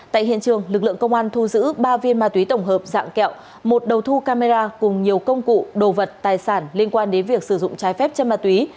tại hiện trường lực lượng công an thu giữ ba viên ma túy tổng hợp dạng kẹo một đầu thu camera cùng nhiều công cụ đồ vật tài sản liên quan đến việc sử dụng trái phép chân ma túy